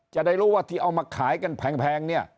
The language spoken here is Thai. จะได้รู้ว่าที่เอามาขายกันแพงเนี่ย